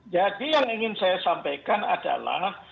jadi yang ingin saya sampaikan adalah